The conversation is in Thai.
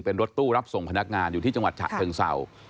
เป็นรถตู้รับส่งพนักงานอยู่ที่จังหวัดฉะเชิงเศร้า